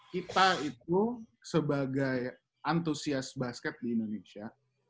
kita itu sebagai antusias basket di indonesia